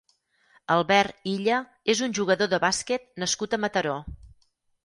Albert Illa és un jugador de bàsquet nascut a Mataró.